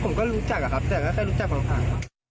ผมก็รู้จักแต่แค่รู้จักผ่าน